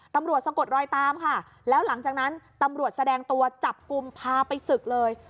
สะกดรอยตามค่ะแล้วหลังจากนั้นตำรวจแสดงตัวจับกลุ่มพาไปศึกเลย